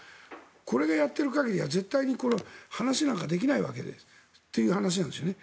これがやっている限りはこれは話なんかできないわけという話なんですよね。